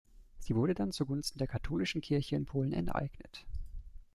Sie wurde dann zugunsten der Katholischen Kirche in Polen enteignet.